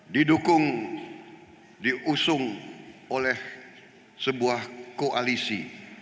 didukung diusung oleh sebuah koalisi